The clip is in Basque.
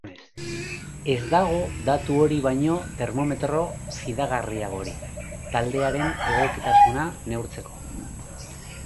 Ez dago datu hori baino termometro fidagarriagorik taldearen egokitasuna neurtzeko.